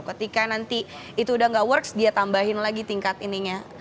ketika nanti itu sudah tidak berhasil dia tambahkan lagi tingkat ininya